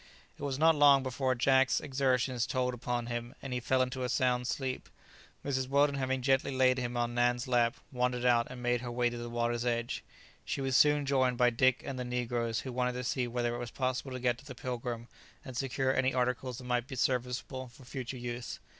It was not long before Jack's exertions told upon him, and he fell into a sound sleep. Mrs. Weldon having gently laid him on Nan's lap, wandered out and made her way to the water's edge. She was soon joined by Dick and the negroes, who wanted to see whether it was possible to get to the "Pilgrim," and secure any articles that might be serviceable for future use.